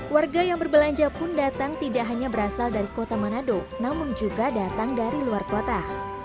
warga yang berbelanja pun datang tidak hanya berasal dari kota manado namun juga datang dari luar kota